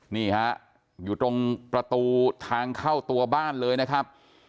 นี่ฮะอยู่ตรงประตูทางเข้าตัวบ้านเลยนะครับ